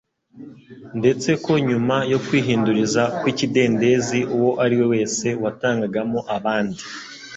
ndetse ko nyuma yo kwihinduriza kw’ikidendezi uwo ari we wese watangagamo abandi